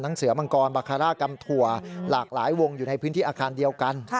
เสือมังกรบาคาร่ากำถั่วหลากหลายวงอยู่ในพื้นที่อาคารเดียวกัน